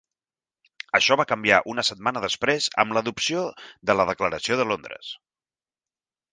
Això va canviar una setmana després amb l'adopció de la Declaració de Londres.